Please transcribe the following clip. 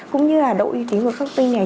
cũng như là đội tính của các công ty này